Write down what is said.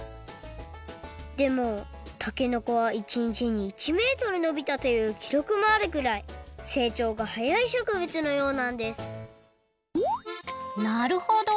でもたけのこは１にちに１メートルのびたというきろくもあるくらいせいちょうがはやいしょくぶつのようなんですなるほど。